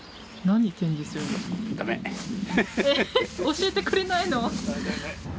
教えてくれないの？